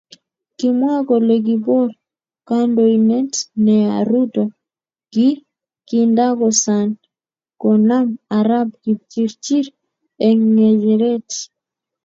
Kimwa kole kibor kandoindet neya Ruto kindakosan konam Arap Kipchirchir eng ngecheret